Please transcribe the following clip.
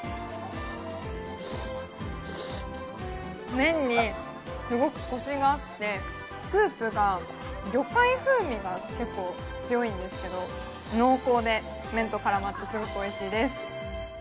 麺にすごくこしがあって、スープが魚介風味が結構強いんですけど、濃厚で麺とからまってすごくおいしいです。